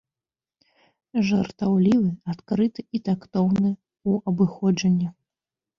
Жартаўлівы, адкрыты і тактоўны у абыходжанні.